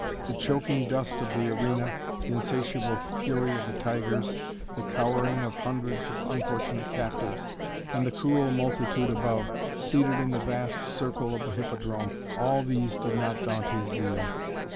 The choking dust of the arena the insatiable fury of the tigers the cowering of hundreds of unfortunate captives and the cruel multitude above, seated in the vast circle of the hippodrome all these did not daunt his zeal.